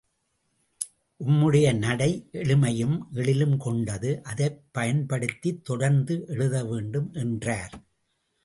உம்முடைய நடை எளிமையும் எழிலும் கொண்டது அதைப் பயன்படுத்தித் தொடர்ந்து எழுத வேண்டும் என்றார்.